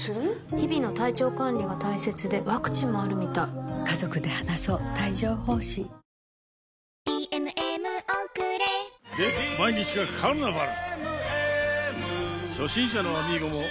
日々の体調管理が大切でワクチンもあるみたい今朝の問題。